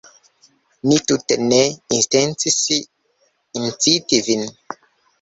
Mi tute ne intencis inciti Vin!